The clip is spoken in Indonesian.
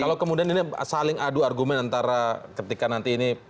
kalau kemudian ini saling adu argumen antara ketika nanti ini